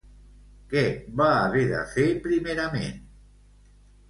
Què va haver de fer primerament?